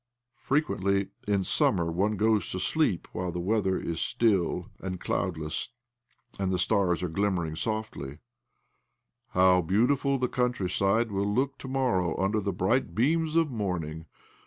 Frequently, in summer, one goes to sleep while the weather is still and cloudless, and the stars are glimmering softly. " How beautiful the countryside will look to morrow under the bright beams of morning!"